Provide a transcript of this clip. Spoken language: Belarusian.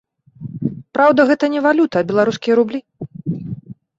Праўда, гэта не валюта, а беларускія рублі.